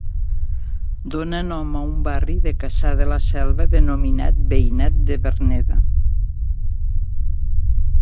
Dóna nom a un barri de Cassà de la Selva denominat Veïnat de Verneda.